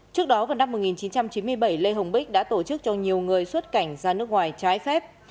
trước đó vào năm một nghìn chín trăm chín mươi bảy lê hồng bích đã tổ chức cho nhiều người xuất cảnh ra nước ngoài trái phép